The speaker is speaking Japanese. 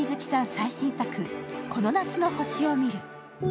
最新作「この夏の星を見る」。